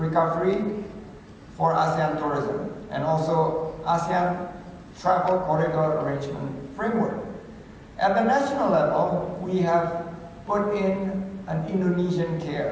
kami juga memiliki perubahan yang dilakukan oleh indonesia